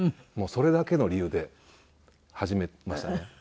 もうそれだけの理由で始めましたね。